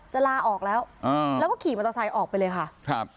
ลาออกแล้วอ่าแล้วก็ขี่มอเตอร์ไซค์ออกไปเลยค่ะครับ